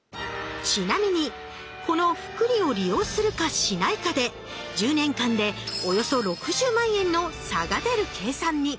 ちなみにこの複利を利用するかしないかで１０年間でおよそ６０万円の差が出る計算に！